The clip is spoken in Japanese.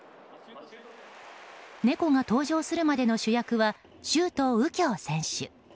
猫が登場するまでの主役は周東佑京選手。